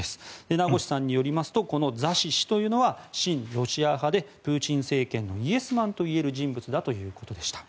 名越さんによりますとザシ氏というのは親ロシア派でプーチン政権のイエスマンといえる人物だということでした。